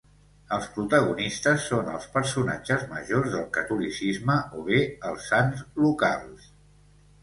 Els protagonistes són els personatges majors del catolicisme o bé els sants locals.